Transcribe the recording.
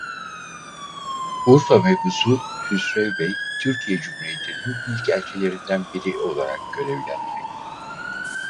Urfa Mebusu Hüsrev Bey Türkiye Cumhuriyeti'nin ilk elçilerinden biri olarak görevlendirildi.